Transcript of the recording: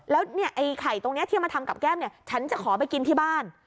แล้วไข่ตรงนี้ที่มาทำกับแก้มเนี่ยฉันจะขอไปกินที่บ้าน